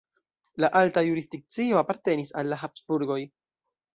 La alta jurisdikcio apartenis al la Habsburgoj.